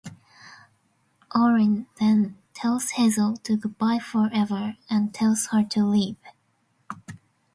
Orin then tells Hazel goodbye forever and tells her to leave.